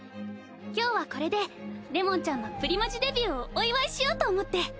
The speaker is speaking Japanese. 今日はこれでれもんちゃんのプリマジデビューをお祝いしようと思って！